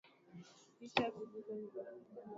Kichwa kimekusumbua.